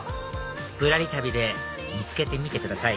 ぶらり旅で見つけてみてください